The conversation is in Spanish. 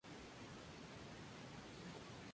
El saqueo de Filipópolis incitó el emperador a actuar.